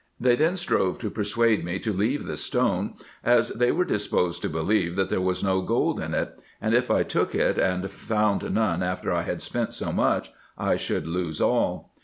They then strove to persuade me to leave the stone, as they were disposed to believe that there was no gold in it ; and, if I took it, and found none after I had spent so much, I should lose all.